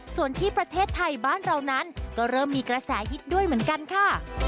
ส่วนที่ประเทศไทยบ้านเรานั้นก็เริ่มมีกระแสฮิตด้วยเหมือนกันค่ะ